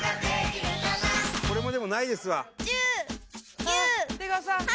これもでもないですわさあ